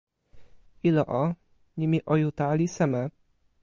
ilo o, nimi Ojuta li seme?